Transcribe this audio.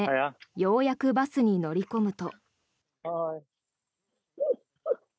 ようやくバスに乗り込むと。